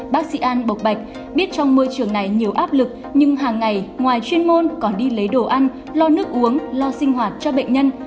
bác sĩ an bộc bạch biết trong môi trường này nhiều áp lực nhưng hàng ngày ngoài chuyên môn còn đi lấy đồ ăn lo nước uống lo sinh hoạt cho bệnh nhân